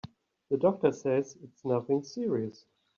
The doctor says it's nothing serious.